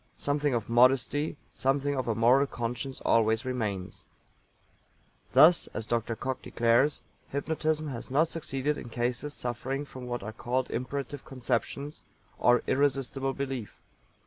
Something of modesty, something of a moral conscience always remains. Thus, as Dr. COCKE declares, Hypnotism has not succeeded in cases suffering from what are called imperative conceptions, or irresistible belief.